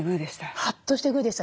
ハッとしてグーでしたね。